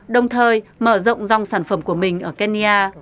đồng thời mở rộng dòng sản phẩm của mình ở kenya